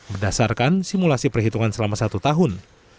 berdasarkan simulasi perhitungan selama satu tahun